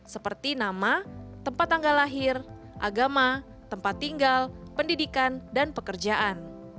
seperti nama tempat tanggal lahir agama tempat tinggal pendidikan dan pekerjaan